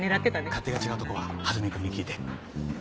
勝手が違うとこは蓮見くんに聞いて。